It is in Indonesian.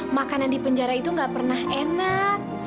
makanan di penjara itu nggak pernah enak